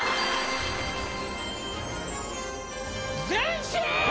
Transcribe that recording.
前進！